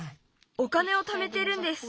お金をためてるんです。